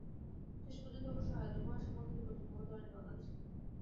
শেষ পর্যন্ত অবশ্য আয়োজক হওয়ার সম্মান থেকে বঞ্চিত হতে হয়নি বাংলাদেশকে।